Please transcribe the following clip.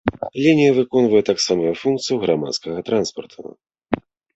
Лінія выконвае таксама і функцыю грамадскага транспарту.